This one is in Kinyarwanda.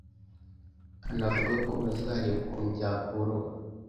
anavuga ko bazareba ukuntu byakoroha